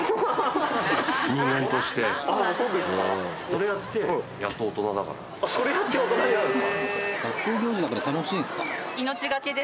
それやって大人になるんですか？